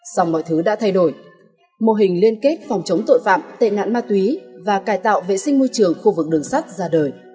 sau mọi thứ đã thay đổi mô hình liên kết phòng chống tội phạm tệ nạn ma túy và cài tạo vệ sinh môi trường khu vực đường sắt ra đời